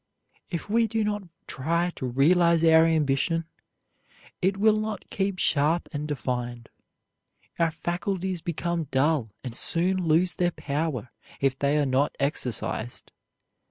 If we do not try to realize our ambition, it will not keep sharp and defined. Our faculties become dull and soon lose their power if they are not exercised.